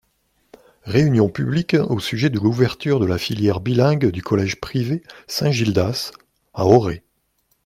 Réunion publique au sujet de l’ouverture de la filière bilingue du collège privé Saint Gildas, à Auray.